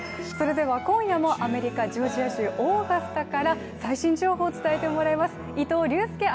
それでは今夜もアメリカ・ジョージア州オーガスタから最新情報を伝えてもらいます伊藤隆佑